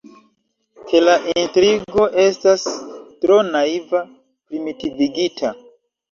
Ke la intrigo estas tro naiva, primitivigita.